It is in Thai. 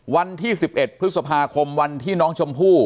วันที่๑๑พฤษภาคมวันที่น้องชมพู่